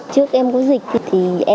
trước em có dịch thì em